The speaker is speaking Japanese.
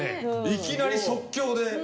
いきなり即興で。